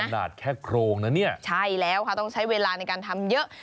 ขนาดแค่โครงนะเนี่ยใช่แล้วค่ะต้องใช้เวลาในการทำเยอะ